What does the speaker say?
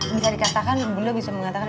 bisa dikatakan bunda bisa mengatakan